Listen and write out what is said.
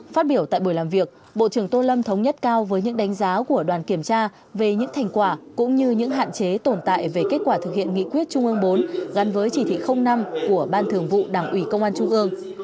phát biểu tại buổi làm việc bộ trưởng tô lâm thống nhất cao với những đánh giá của đoàn kiểm tra về những thành quả cũng như những hạn chế tồn tại về kết quả thực hiện nghị quyết trung ương bốn gắn với chỉ thị năm của ban thường vụ đảng ủy công an trung ương